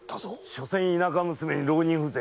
しょせん田舎娘に浪人風情